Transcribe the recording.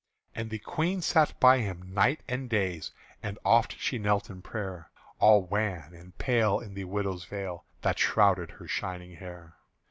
And the Queen sat by him night and days And oft she knelt in prayer, All wan and pale in the widow's veil That shrouded her shining hair.